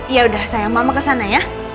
ya udah saya mama kesana ya